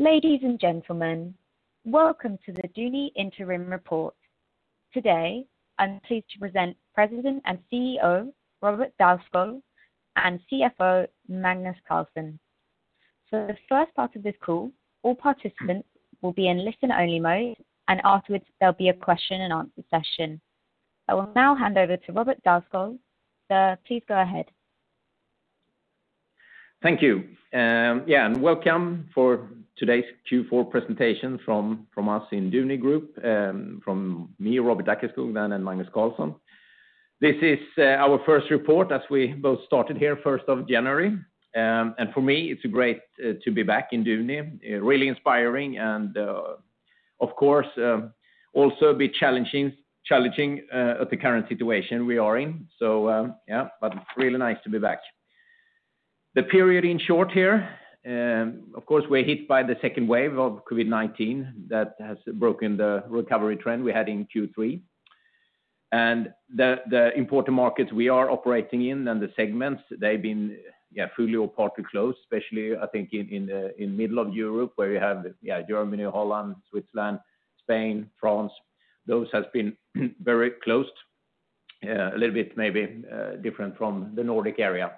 Ladies and gentlemen, welcome to the Duni Interim Report. Today, I'm pleased to present President and CEO, Robert Dackeskog, and CFO, Magnus Carlsson. For the first part of this call, all participants will be in listen-only mode, and afterwards, there'll be a question and answer session. I will now hand over to Robert Dackeskog. Sir, please go ahead. Thank you. Welcome for today's Q4 presentation from us in Duni Group, from me, Robert Dackeskog, and Magnus Carlsson. This is our first report as we both started here, 1st of January. For me, it's great to be back in Duni. Really inspiring and, of course, also a bit challenging at the current situation we are in. Really nice to be back. The period in short here, of course, we're hit by the second wave of COVID-19 that has broken the recovery trend we had in Q3. The important markets we are operating in and the segments, they've been fully or partly closed, especially, I think in the middle of Europe, where we have Germany, Holland, Switzerland, Spain, France. Those has been very closed. A little bit maybe different from the Nordic area.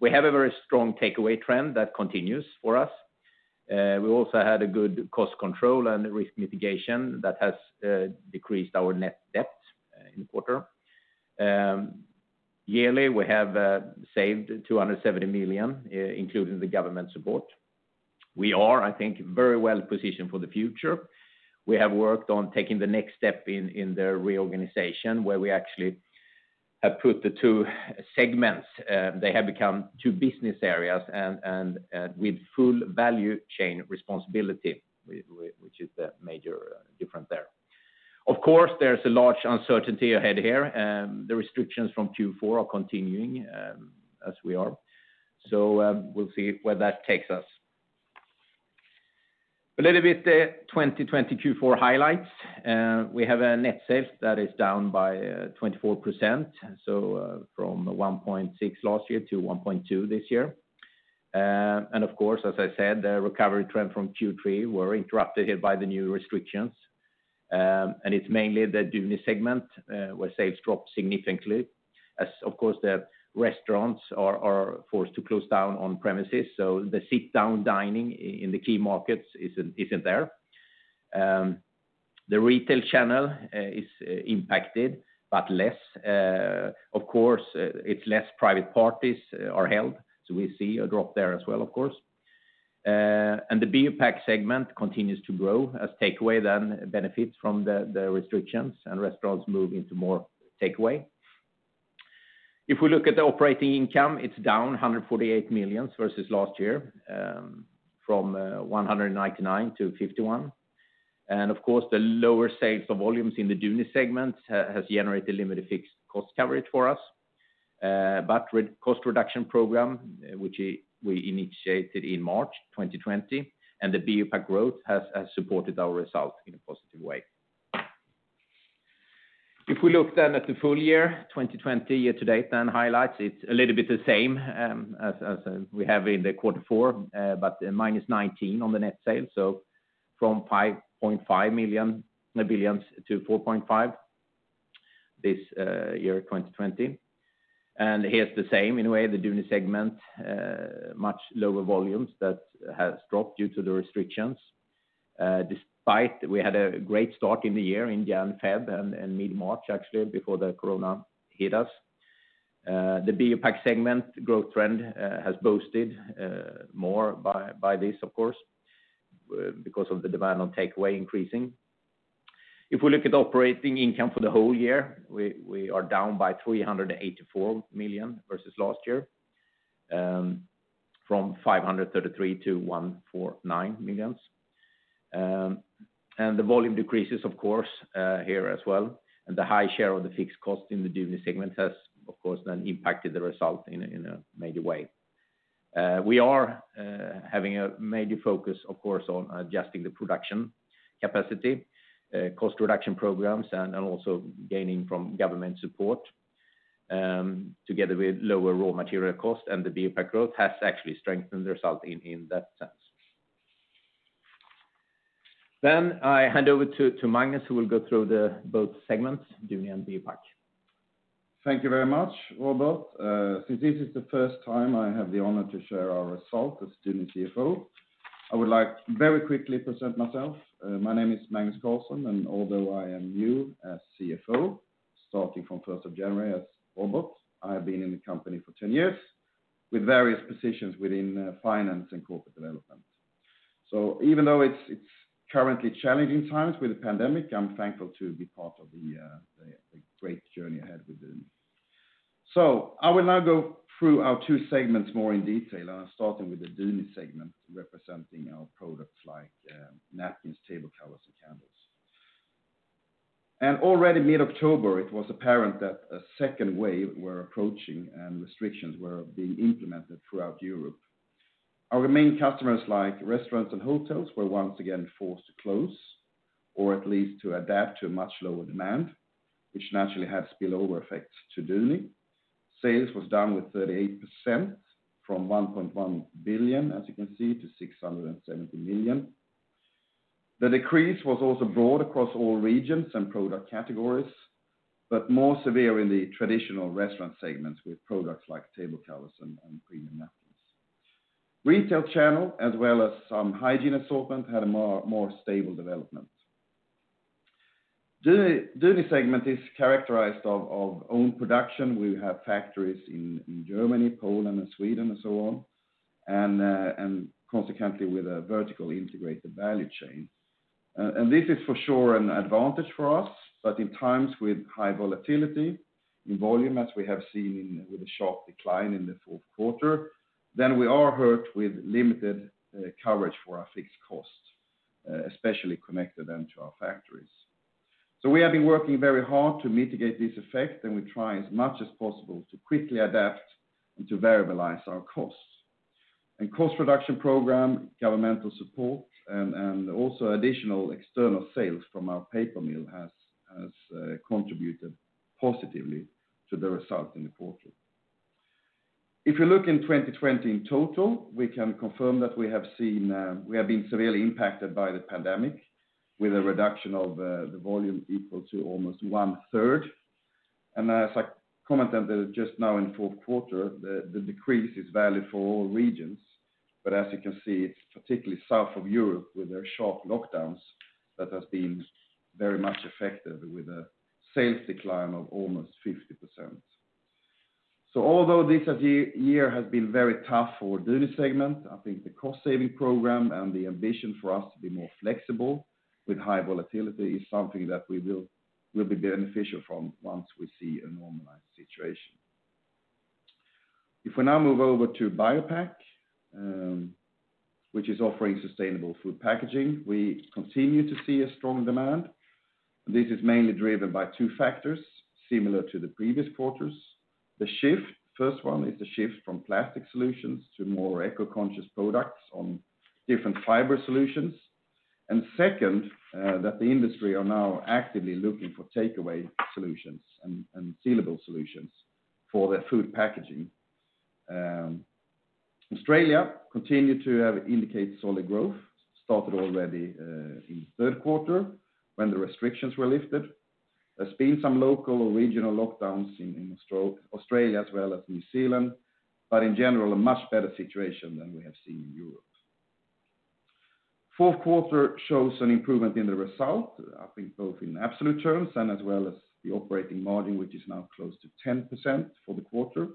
We have a very strong takeaway trend that continues for us. We also had a good cost control and risk mitigation that has decreased our net debt in the quarter. Yearly, we have saved 270 million, including the government support. We are, I think, very well-positioned for the future. We have worked on taking the next step in the reorganization, where we actually have put the two segments. They have become two business areas and with full value chain responsibility, which is the major difference there. There's a large uncertainty ahead here. The restrictions from Q4 are continuing, as we are. We'll see where that takes us. A little bit 2020 Q4 highlights. We have a net sales that is down by 24%. From 1.6 last year-SEK 1.2 this year. Of course, as I said, the recovery trend from Q3 were interrupted here by the new restrictions. It's mainly the Duni segment, where sales dropped significantly as, of course, the restaurants are forced to close down on premises. The sit-down dining in the key markets isn't there. The retail channel is impacted, but less. Of course, it's less private parties are held, so we see a drop there as well, of course. The BioPak segment continues to grow as takeaway then benefits from the restrictions and restaurants move into more takeaway. If we look at the operating income, it's down 148 million versus last year, from 199-51. Of course, the lower sales of volumes in the Duni segment has generated limited fixed cost coverage for us. With cost reduction program, which we initiated in March 2020, the BioPak growth has supported our result in a positive way. If we look then at the full year, 2020 year to date, highlights, it's a little bit the same as we have in the quarter four, -19% on the net sales. From 5.5 billion-4.5 billion this year, 2020. Here's the same, in a way, the Duni segment, much lower volumes that has dropped due to the restrictions. Despite we had a great start in the year in January, February, and mid-March, actually, before the corona hit us. The BioPak segment growth trend has boosted more by this, of course, because of the demand on take-away increasing. If we look at operating income for the whole year, we are down by 384 million versus last year, from 533 million-149 million. The volume decreases, of course, here as well. The high share of the fixed cost in the Duni segment has, of course, then impacted the result in a major way. We are having a major focus, of course, on adjusting the production capacity, cost reduction programs, and also gaining from government support, together with lower raw material cost and the BioPak growth has actually strengthened the result in that sense. I hand over to Magnus, who will go through both segments, Duni and BioPak. Thank you very much, Robert. Since this is the first time I have the honor to share our result as Duni CFO, I would like to very quickly present myself. My name is Magnus Carlsson, and although I am new as CFO, starting from January 1st, as Robert, I have been in the company for 10 years with various positions within finance and corporate development. Even though it's currently challenging times with the pandemic, I'm thankful to be part of the great journey ahead with Duni. I will now go through our two segments more in detail, and I'm starting with the Duni segment, representing our products like napkins, table covers, and candles. Already mid-October, it was apparent that a second wave were approaching and restrictions were being implemented throughout Europe. Our main customers, like restaurants and hotels, were once again forced to close. At least to adapt to a much lower demand, which naturally had spillover effects to Duni. Sales was down with 38%, from 1.1 billion, as you can see, to 670 million. The decrease was also broad across all regions and product categories, but more severe in the traditional restaurant segments with products like table covers and premium napkins. Retail channel, as well as some hygiene assortment, had a more stable development. Duni segment is characterized of own production. We have factories in Germany, Poland, and Sweden and so on. Consequently, with a vertically integrated value chain. This is for sure an advantage for us, in times with high volatility in volume, as we have seen with a sharp decline in the fourth quarter, we are hurt with limited coverage for our fixed costs, especially connected to our factories. We have been working very hard to mitigate this effect, and we try as much as possible to quickly adapt and to variabilize our costs. A cost reduction program, governmental support, and also additional external sales from our paper mill has contributed positively to the result in the quarter. If you look in 2020 in total, we can confirm that we have been severely impacted by the pandemic, with a reduction of the volume equal to almost one third. As I commented just now in the fourth quarter, the decrease is valid for all regions, but as you can see, it's particularly south of Europe with their sharp lockdowns that has been very much affected with a sales decline of almost 50%. Although this year has been very tough for Duni segment, I think the cost-saving program and the ambition for us to be more flexible with high volatility is something that we will be beneficial from once we see a normalized situation. If we now move over to BioPak, which is offering sustainable food packaging, we continue to see a strong demand. This is mainly driven by two factors, similar to the previous quarters. The first one is the shift from plastic solutions to more eco-conscious products on different fiber solutions. Second, that the industry are now actively looking for takeaway solutions and sealable solutions for their food packaging. Australia continued to indicate solid growth, started already in the third quarter, when the restrictions were lifted. There's been some local or regional lockdowns in Australia as well as New Zealand, but in general, a much better situation than we have seen in Europe. Fourth quarter shows an improvement in the result, I think both in absolute terms and as well as the operating margin, which is now close to 10% for the quarter.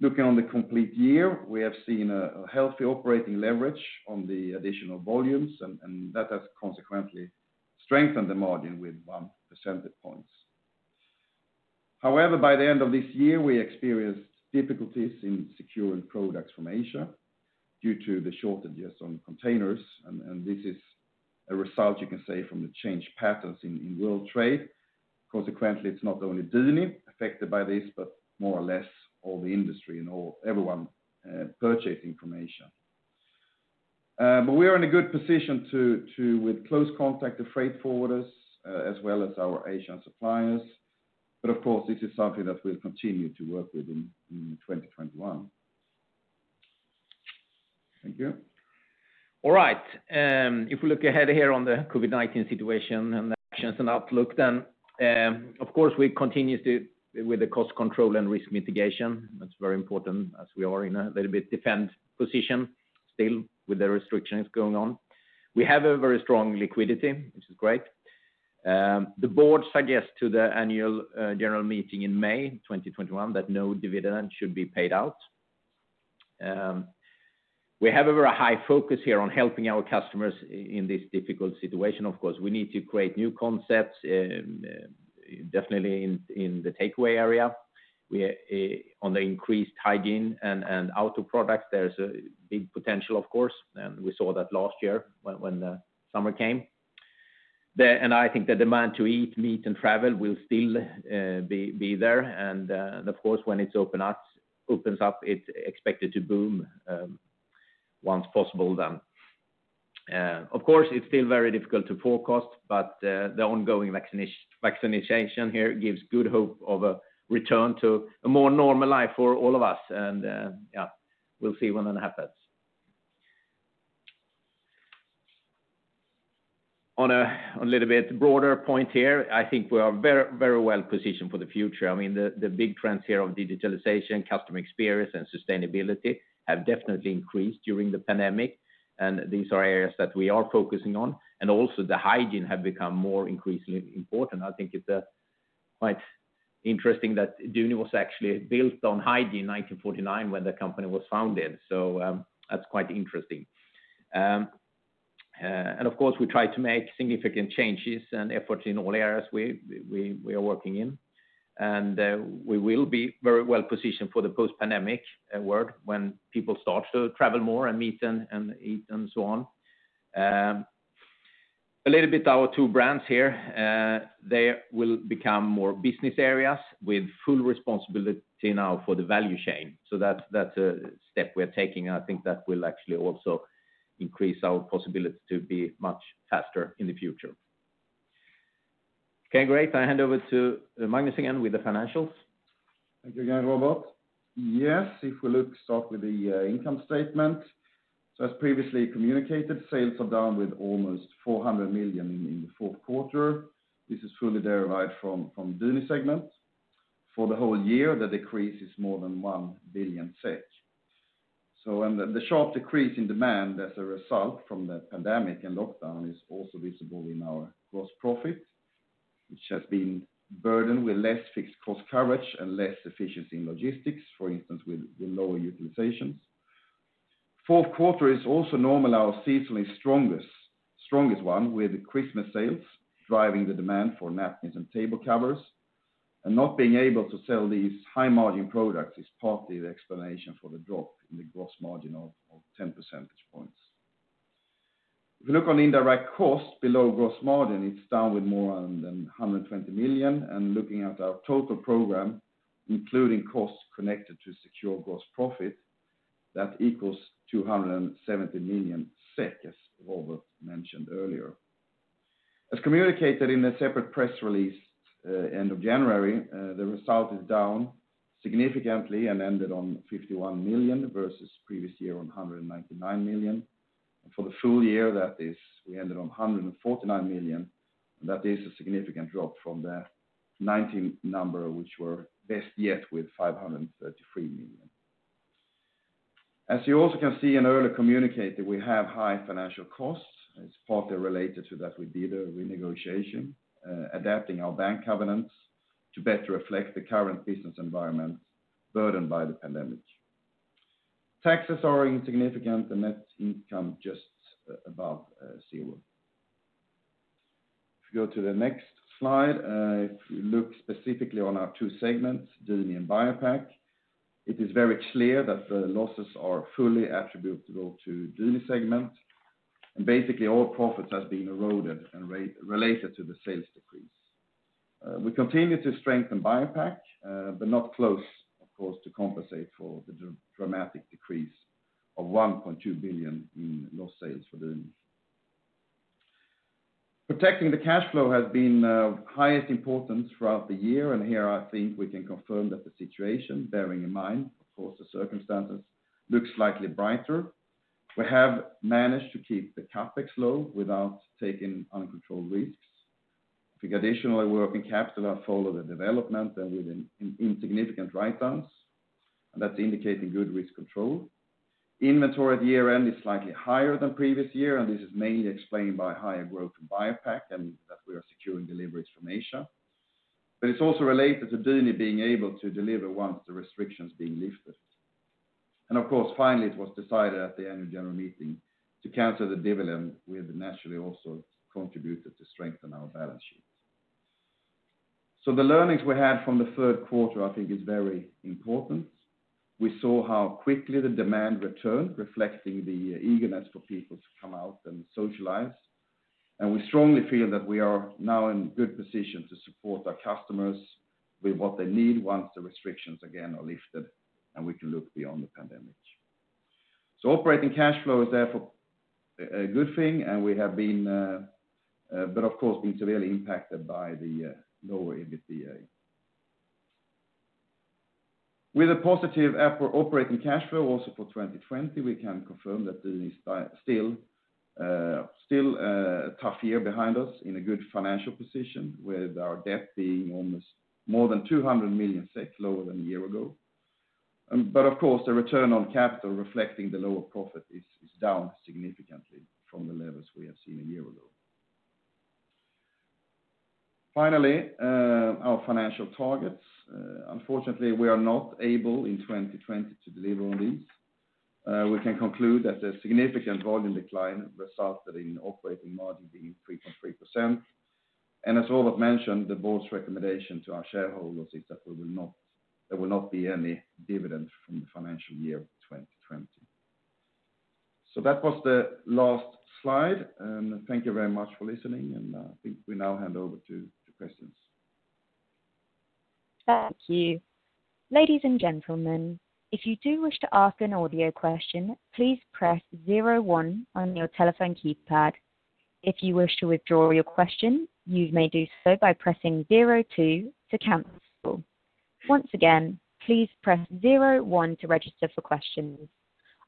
Looking on the complete year, we have seen a healthy operating leverage on the additional volumes, and that has consequently strengthened the margin with one percentage points. However, by the end of this year, we experienced difficulties in securing products from Asia due to the shortages on containers, and this is a result, you can say, from the change patterns in world trade. Consequently, it's not only Duni affected by this, but more or less all the industry and everyone purchasing from Asia. We are in a good position with close contact to freight forwarders as well as our Asian suppliers. Of course, this is something that we'll continue to work with in 2021. Thank you. All right. If we look ahead here on the COVID-19 situation and actions and outlook, of course, we continue with the cost control and risk mitigation. That's very important as we are in a little bit defense position still with the restrictions going on. We have a very strong liquidity, which is great. The board suggests to the annual general meeting in May 2021 that no dividend should be paid out. We have a very high focus here on helping our customers in this difficult situation, of course. We need to create new concepts, definitely in the take-away area. On the increased hygiene and outdoor products, there's a big potential, of course, and we saw that last year when the summer came. I think the demand to eat out and travel will still be there, of course, when it opens up, it's expected to boom once possible then. Of course, it's still very difficult to forecast, but the ongoing vaccination here gives good hope of a return to a more normal life for all of us. Yeah, we'll see when that happens. On a little bit broader point here, I think we are very well positioned for the future. The big trends here of digitalization, customer experience, and sustainability have definitely increased during the pandemic, these are areas that we are focusing on. Also the hygiene have become more increasingly important. I think it's quite interesting that Duni was actually built on hygiene in 1949 when the company was founded. That's quite interesting. Of course, we try to make significant changes and efforts in all areas we are working in. We will be very well positioned for the post-pandemic world when people start to travel more and meet and eat and so on. A little bit our two brands here, they will become more business areas with full responsibility now for the value chain. That's a step we're taking, and I think that will actually also increase our possibility to be much faster in the future. Okay, great. I hand over to Magnus again with the financials. Thank you again, Robert. Yes, if we start with the income statement. As previously communicated, sales are down with almost 400 million in the fourth quarter. This is fully derived from Duni segment. For the whole year, the decrease is more than 1 billion. The sharp decrease in demand as a result from the pandemic and lockdown is also visible in our gross profit, which has been burdened with less fixed cost coverage and less efficiency in logistics, for instance, with lower utilizations. Fourth quarter is also normally our seasonally strongest one with Christmas sales driving the demand for napkins and table covers. Not being able to sell these high margin products is partly the explanation for the drop in the gross margin of 10 percentage points. If you look on indirect costs below gross margin, it's down with more than 120 million. Looking at our total program, including costs connected to secure gross profit, that equals 270 million SEK, as Robert mentioned earlier. As communicated in a separate press release end of January, the result is down significantly and ended on 51 million versus previous year on 199 million. For the full year, we ended on 149 million, and that is a significant drop from the 2019 number, which were best yet with 533 million. As you also can see in earlier communicated, we have high financial costs, it's partly related to that with dealer renegotiation, adapting our bank covenants to better reflect the current business environment burdened by the pandemic. Taxes are insignificant and net income just above zero. If you go to the next slide, if you look specifically on our two segments, Duni and BioPak, it is very clear that the losses are fully attributable to Duni segment, and basically all profits have been eroded and related to the sales decrease. We continue to strengthen BioPak, but not close, of course, to compensate for the dramatic decrease of 1.2 billion in lost sales for Duni. Protecting the cash flow has been of highest importance throughout the year, and here I think we can confirm that the situation, bearing in mind, of course, the circumstances, looks slightly brighter. We have managed to keep the CapEx low without taking uncontrolled risks. The additionally working capital followed the development and with insignificant write-downs, and that's indicating good risk control. Inventory at year-end is slightly higher than previous year, and this is mainly explained by higher growth in BioPak and that we are securing deliveries from Asia. It's also related to Duni being able to deliver once the restrictions being lifted. Of course, finally, it was decided at the annual general meeting to cancel the dividend. We have naturally also contributed to strengthen our balance sheet. The learnings we had from the third quarter I think is very important. We saw how quickly the demand returned, reflecting the eagerness for people to come out and socialize. We strongly feel that we are now in good position to support our customers with what they need once the restrictions again are lifted and we can look beyond the pandemic. Operating cash flow is therefore a good thing but of course, been severely impacted by the lower EBITDA. With a positive operating cash flow also for 2020, we can confirm that Duni is still a tough year behind us in a good financial position with our debt being almost more than 200 million SEK lower than a year ago. Of course, the return on capital reflecting the lower profit is down significantly from the levels we have seen a year ago. Finally, our financial targets. Unfortunately, we are not able in 2020 to deliver on these. We can conclude that the significant volume decline resulted in operating margin being 3.3%. As Robert mentioned, the board's recommendation to our shareholders is that there will not be any dividend from the financial year 2020. That was the last slide, and thank you very much for listening, and I think we now hand over to questions. Thank you. Ladies and gentlemen, if you do wish to ask an audio question, please press zero one on your telephone keypad. If you wish to withdraw your question, you may do so by pressing zero two to cancel. Once again, please press zero one to register for questions.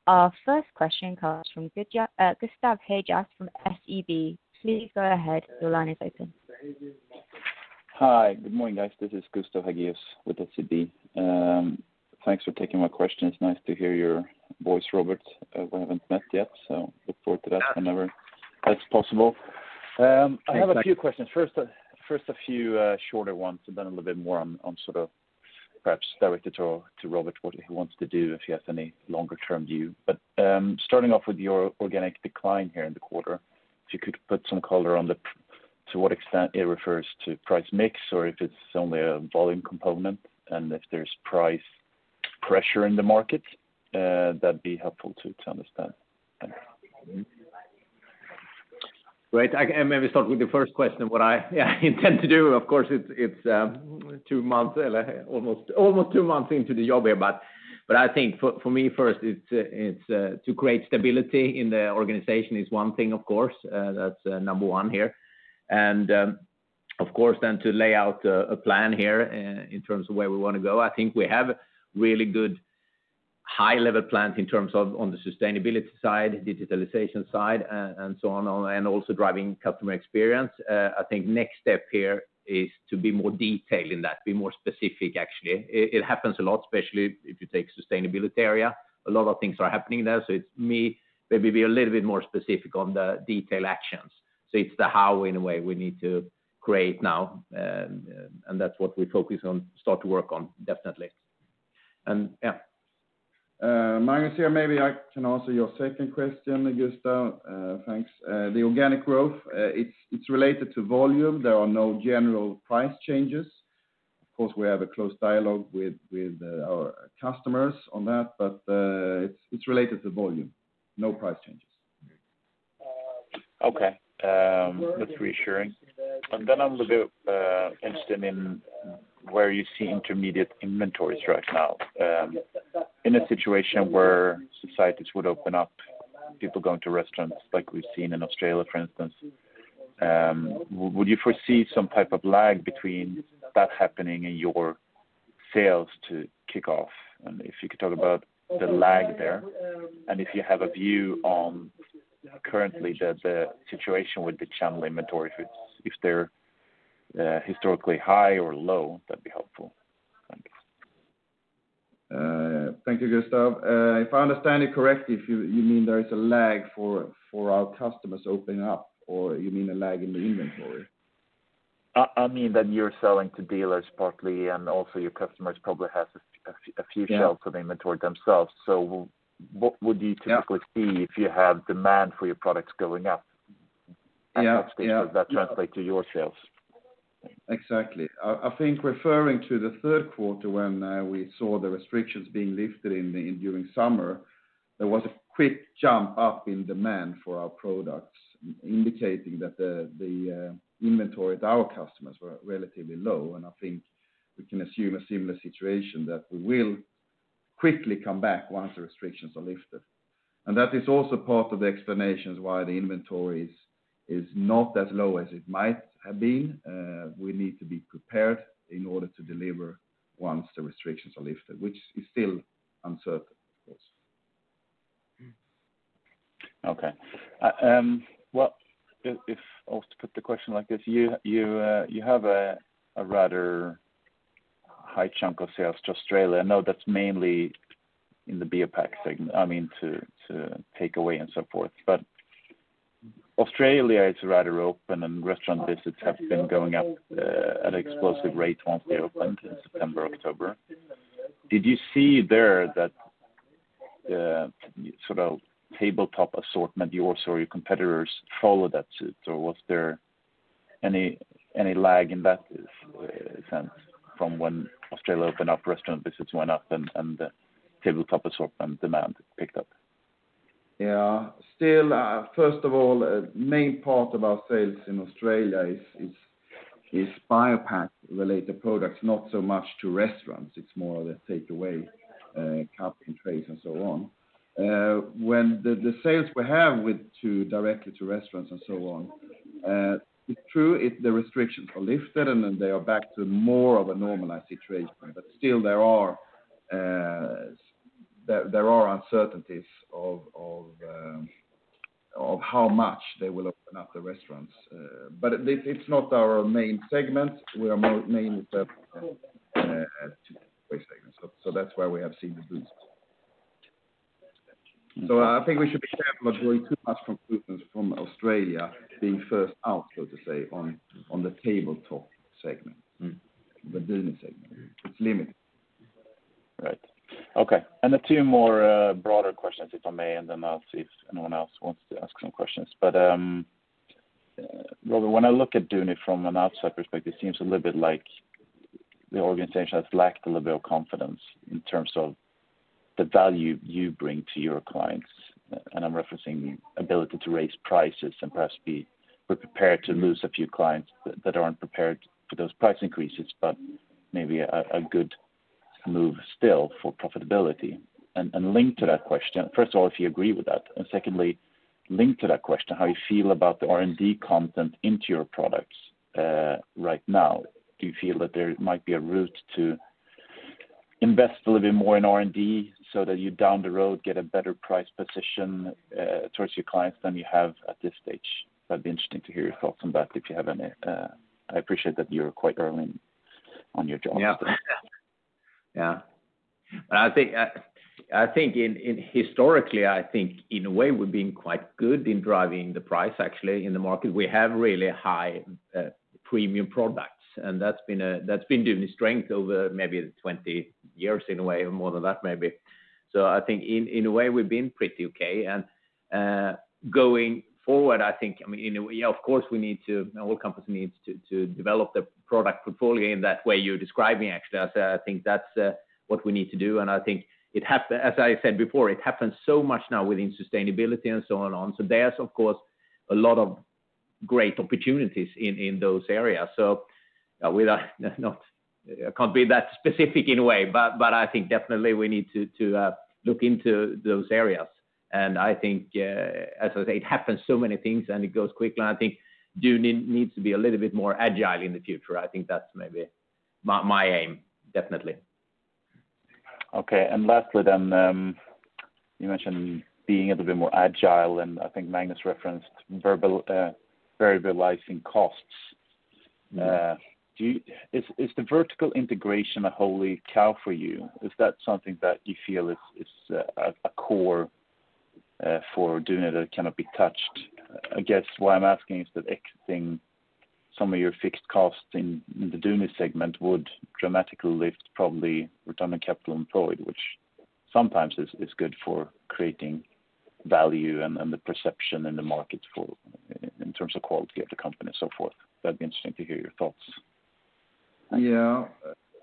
Our first question comes from Gustav Hagéus from SEB. Please go ahead. Your line is open. Hi. Good morning, guys. This is Gustav Hagéus with SEB. Thanks for taking my question. It's nice to hear your voice, Robert. We haven't met yet, so look forward to that whenever that's possible. I have a few questions. First, a few shorter ones, and then a little bit more on perhaps directed to Robert what he wants to do if he has any longer-term view. Starting off with your organic decline here in the quarter, if you could put some color on to what extent it refers to price mix or if it's only a volume component, and if there's price pressure in the market, that'd be helpful to understand. Thanks. Great. I maybe start with the first question, what I intend to do. Of course, it's almost two months into the job here. I think for me first, to create stability in the organization is one thing, of course. That's number one here. Of course, then to lay out a plan here in terms of where we want to go. I think we have really good high-level plans in terms of on the sustainability side, digitalization side, and so on, and also driving customer experience. I think next step here is to be more detailed in that, be more specific, actually. It happens a lot, especially if you take sustainability area. A lot of things are happening there. It's maybe be a little bit more specific on the detail actions. It's the how, in a way, we need to create now, and that's what we focus on, start to work on, definitely. Magnus here. Maybe I can answer your second question, Gustav. Thanks. The organic growth, it's related to volume. There are no general price changes. Of course, we have a close dialogue with our customers on that, but it's related to volume, no price changes. Okay. That's reassuring. I'm a little bit interested in where you see intermediate inventories right now. In a situation where societies would open up, people going to restaurants like we've seen in Australia, for instance, would you foresee some type of lag between that happening and your sales to kick off? If you could talk about the lag there, and if you have a view on currently the situation with the channel inventory, if they're historically high or low, that'd be helpful. Thank you. Thank you, Gustav. If I understand it correctly, you mean there is a lag for our customers opening up, or you mean a lag in the inventory? I mean that you're selling to dealers partly, and also your customers probably have a few- Yeah Shelves of inventory themselves. what would you typically- Yeah See if you have demand for your products going up? Yeah. At what stage does that translate to your sales? Exactly. I think referring to the third quarter when we saw the restrictions being lifted during summer, there was a quick jump up in demand for our products, indicating that the inventory at our customers were relatively low. I think we can assume a similar situation that we will quickly come back once the restrictions are lifted. That is also part of the explanations why the inventory is not as low as it might have been. We need to be prepared in order to deliver once the restrictions are lifted, which is still uncertain, of course. Okay. If I was to put the question like this, you have a rather high chunk of sales to Australia. I know that's mainly in the BioPak segment, I mean, to take-away and so forth. Australia is rather open, and restaurant visits have been going up at explosive rate once they opened in September, October. Did you see there that sort of tabletop assortment, yours or your competitors follow that suit? Was there any lag in that sense from when Australia opened up, restaurant visits went up, and tabletop assortment demand picked up? Yeah. First of all, main part of our sales in Australia is BioPak related products, not so much to restaurants. It's more of a takeaway, cup and trays and so on. When the sales we have directly to restaurants and so on, it's true, if the restrictions are lifted, and then they are back to more of a normalized situation. Still there are uncertainties of how much they will open up the restaurants. It's not our main segment. Our main is the takeaway segment. That's why we have seen the boost. I think we should be careful not drawing too much from conclusions from Australia being first out, so to say, on the tabletop segment. the Duni segment. It's limited. Right. Okay. Two more broader questions, if I may, and then I'll see if anyone else wants to ask some questions. Robert, when I look at Duni from an outside perspective, it seems a little bit like the organization has lacked a little bit of confidence in terms of the value you bring to your clients, and I'm referencing the ability to raise prices and perhaps be prepared to lose a few clients that aren't prepared for those price increases, but maybe a good move still for profitability. Linked to that question, first of all, if you agree with that, and secondly, linked to that question, how you feel about the R&D content into your products right now? Do you feel that there might be a route to invest a little bit more in R&D so that you down the road get a better price position towards your clients than you have at this stage? That'd be interesting to hear your thoughts on that if you have any. I appreciate that you're quite early on your job. Yeah. Historically, I think in a way, we've been quite good in driving the price, actually, in the market. We have really high premium products, and that's been Duni's strength over maybe 20 years, in a way, or more than that, maybe. I think in a way, we've been pretty okay. Going forward, of course, our company needs to develop the product portfolio in that way you're describing, actually. I think that's what we need to do, and I think, as I said before, it happens so much now within sustainability and so on and on. There's, of course, a lot of great opportunities in those areas. I can't be that specific in a way, but I think definitely we need to look into those areas. I think, as I said, it happens so many things, and it goes quickly, and I think Duni needs to be a little bit more agile in the future. I think that's maybe my aim, definitely. Okay. Lastly then, you mentioned being a little bit more agile, and I think Magnus referenced variabilizing costs. Yeah. Is the vertical integration a holy cow for you? Is that something that you feel is a core for Duni that cannot be touched? I guess why I am asking is that exiting some of your fixed costs in the Duni segment would dramatically lift probably return on capital employed, which sometimes is good for creating value and the perception in the market in terms of quality of the company, so forth. That would be interesting to hear your thoughts. Yeah.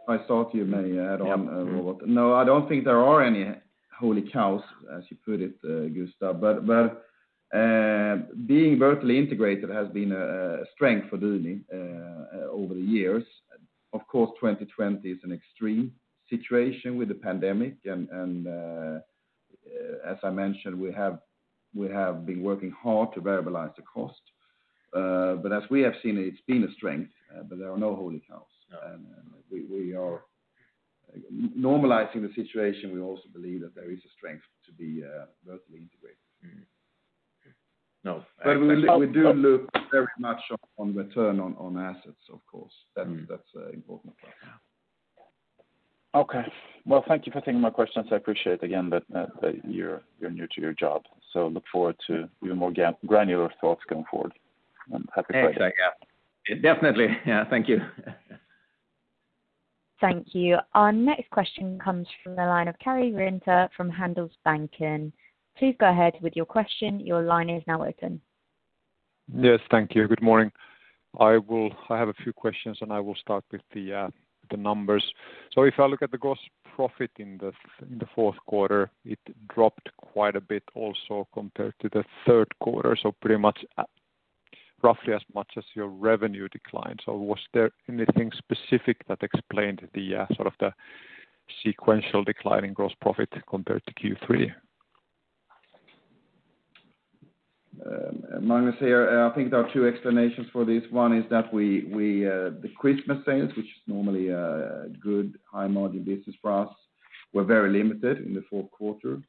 I thought you may add on, Robert. Yeah. No, I don't think there are any holy cows, as you put it, Gustav. Being vertically integrated has been a strength for Duni over the years. Of course, 2020 is an extreme situation with the pandemic, and as I mentioned, we have been working hard to variabilize the cost. As we have seen, it's been a strength, but there are no holy cows. Yeah. Normalizing the situation, we also believe that there is a strength to be vertically integrated. Okay. No. We do look very much on return on assets, of course. That's important for us. Yeah. Okay. Well, thank you for taking my questions. I appreciate, again, that you're new to your job, so look forward to even more granular thoughts going forward. Happy Friday. Exactly. Definitely. Yeah. Thank you. Thank you. Our next question comes from the line of Karri Rinta from Handelsbanken. Please go ahead with your question. Your line is now open. Yes. Thank you. Good morning. I have a few questions, and I will start with the numbers. If I look at the gross profit in the fourth quarter, it dropped quite a bit also compared to the third quarter, so pretty much roughly as much as your revenue declined. Was there anything specific that explained the sequential decline in gross profit compared to Q3? Magnus here. I think there are two explanations for this. One is that the Christmas sales, which is normally a good high-margin business for us, were very limited in the fourth quarter.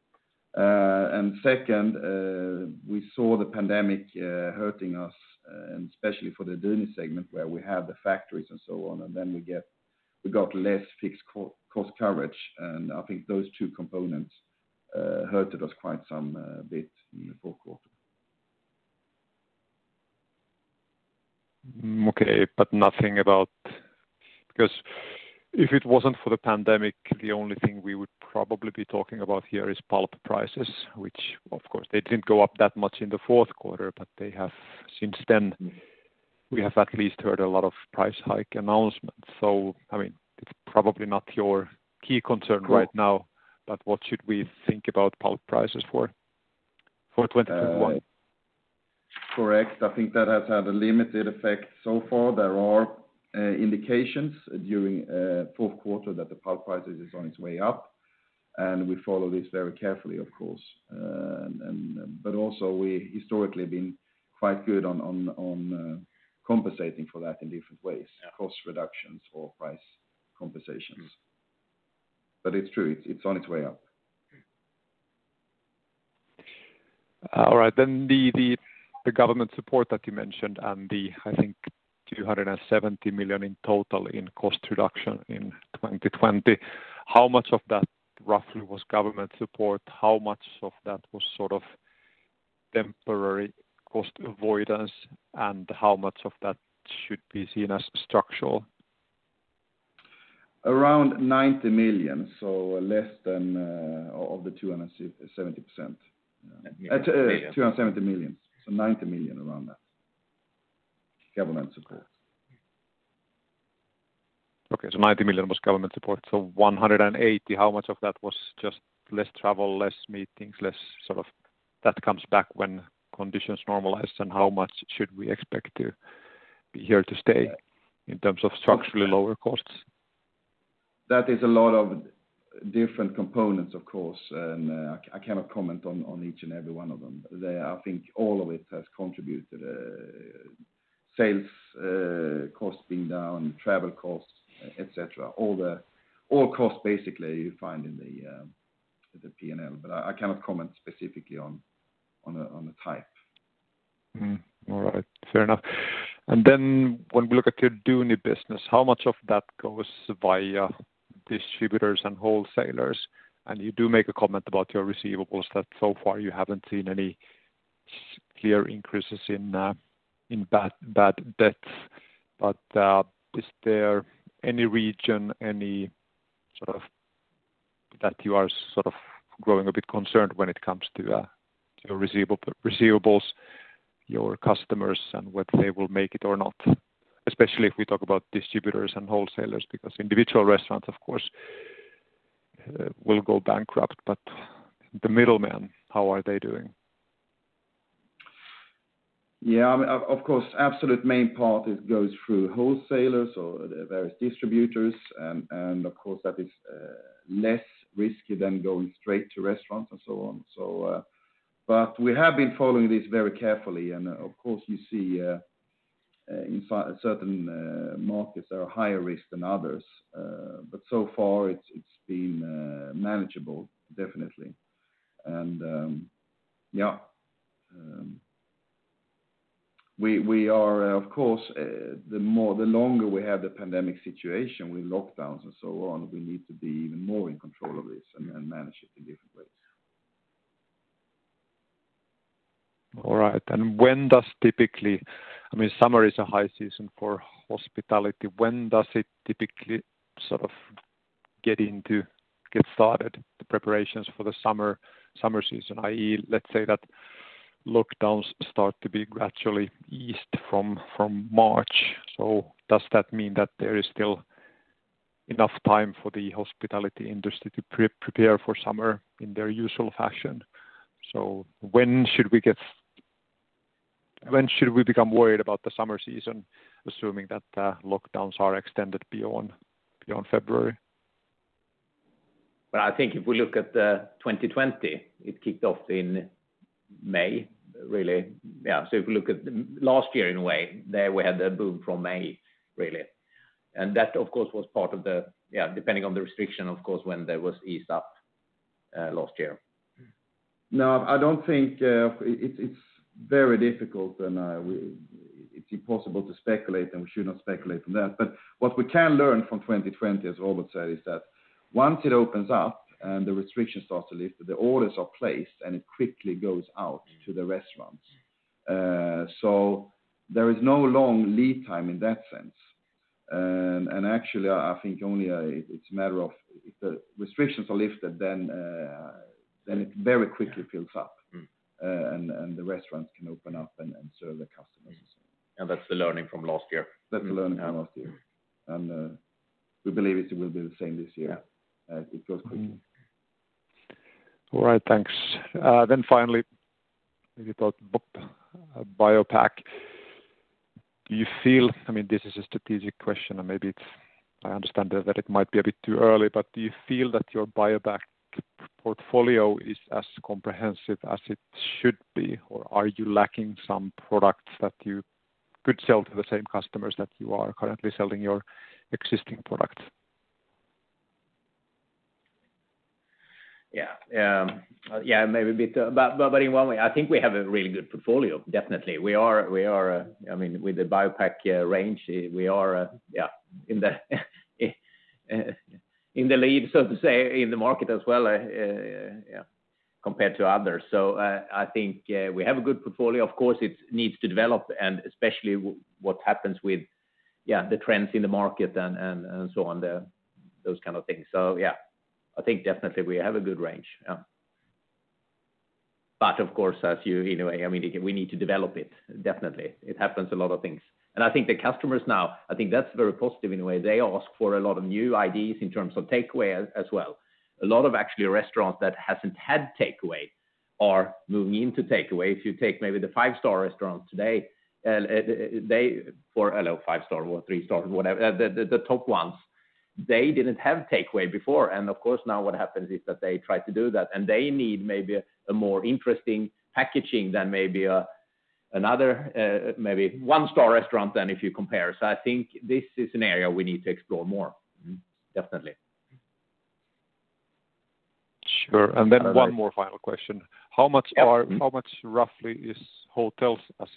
Second, we saw the pandemic hurting us, and especially for the Duni segment where we have the factories and so on, and then we got less fixed cost coverage. I think those two components hurt us quite some bit in the fourth quarter. Okay. If it wasn't for the pandemic, the only thing we would probably be talking about here is pulp prices, which of course they didn't go up that much in the fourth quarter, but they have since then. We have at least heard a lot of price hike announcements. It's probably not your key concern right now. Correct What should we think about pulp prices for 2021? Correct. I think that has had a limited effect so far. There are indications during fourth quarter that the pulp prices is on its way up. We follow this very carefully, of course. Also we historically been quite good on compensating for that in different ways. Yeah Cost reductions or price compensations. It's true. It's on its way up. All right. The government support that you mentioned and the, I think, 270 million in total in cost reduction in 2020, how much of that roughly was government support? How much of that was temporary cost avoidance, and how much of that should be seen as structural? Around 90 million, so less than of the 270 million. Million. 270 million. 90 million, around that, government support. Okay. 90 million was government support. 180 million, how much of that was just less travel, less meetings, less sort of that comes back when conditions normalize? How much should we expect to be here to stay in terms of structurally lower costs? That is a lot of different components, of course, and I cannot comment on each and every one of them. I think all of it has contributed, sales cost being down, travel costs, et cetera. All costs basically you find in the P&L, but I cannot comment specifically on the type. All right. Fair enough. When we look at your Duni business, how much of that goes via distributors and wholesalers? You do make a comment about your receivables that so far you haven't seen any clear increases in bad debts. Is there any region that you are growing a bit concerned when it comes to your receivables, your customers, and whether they will make it or not? Especially if we talk about distributors and wholesalers, because individual restaurants, of course, will go bankrupt, but the middlemen, how are they doing? Yeah. Of course, absolute main part goes through wholesalers or various distributors and of course that is less risky than going straight to restaurants and so on. We have been following this very carefully and, of course, you see in certain markets are higher risk than others. So far it's been manageable, definitely. Yeah. Of course, the longer we have the pandemic situation with lockdowns and so on, we need to be even more in control of this and manage it in different ways. All right, when does typically Summer is a high season for hospitality. When does it typically sort of get started, the preparations for the summer season, i.e., let's say that lockdowns start to be gradually eased from March? Does that mean that there is still enough time for the hospitality industry to prepare for summer in their usual fashion? When should we become worried about the summer season, assuming that lockdowns are extended beyond February? Well, I think if we look at 2020, it kicked off in May, really. Yeah. If we look at last year in a way, there we had the boom from May, really, and that, of course, was part of the Yeah, depending on the restriction, of course, when there was eased up, last year. No, I don't think it's very difficult and it's impossible to speculate. We should not speculate from that. What we can learn from 2020, as Robert said, is that once it opens up and the restrictions start to lift, the orders are placed and it quickly goes out to the restaurants. There is no long lead time in that sense. Actually, I think only it's a matter of if the restrictions are lifted, it very quickly fills up and the restaurants can open up and serve the customers. That's the learning from last year? That's the learning from last year. We believe it will be the same this year. Yeah. It goes quickly. All right. Thanks. Finally, maybe about BioPak. Do you feel, this is a strategic question, and maybe it's I understand that it might be a bit too early, but do you feel that your BioPak portfolio is as comprehensive as it should be, or are you lacking some products that you could sell to the same customers that you are currently selling your existing products? Yeah. Maybe a bit, but in one way, I think we have a really good portfolio, definitely. With the BioPak range, we are, yeah, in the lead, so to say, in the market as well compared to others. I think we have a good portfolio. Of course, it needs to develop and especially what happens with the trends in the market and so on, those kind of things. Yeah, I think definitely we have a good range. Yeah. Of course, we need to develop it, definitely. It happens a lot of things. I think the customers now, I think that's very positive in a way. They ask for a lot of new ideas in terms of takeaway as well. A lot of actually restaurants that hasn't had takeaway are moving into takeaway. If you take maybe the five-star restaurants today, they Well, five-star or three-star or whatever, the top ones, they didn't have takeaway before. Of course, now what happens is that they try to do that and they need maybe a more interesting packaging than maybe a one-star restaurant then if you compare. I think this is an area we need to explore more. Definitely. Sure. Then one more final question. Yeah. How much roughly is hotels as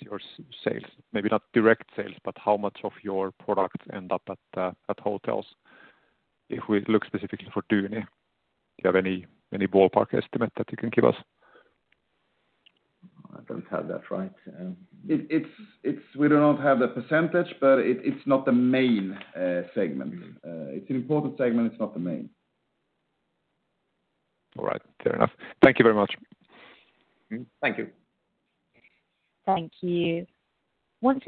your sales? Maybe not direct sales, but how much of your products end up at hotels if we look specifically for Duni? Do you have any ballpark estimate that you can give us? I don't have that, right. We do not have the percentage, but it's not the main segment. It's an important segment, it's not the main. All right. Fair enough. Thank you very much. Thank you. Thank you. As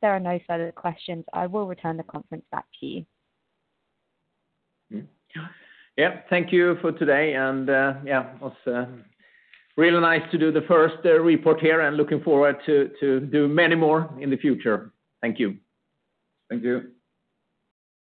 there are no further questions, I will return the conference back to you. Yeah. Thank you for today. Yeah, it was really nice to do the first report here and looking forward to do many more in the future. Thank you. Thank you.